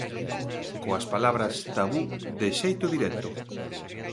Coas palabras tabú, de xeito directo.